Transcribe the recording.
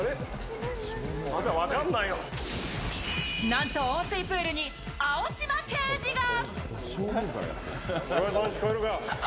なんと、温水プールに青島刑事が。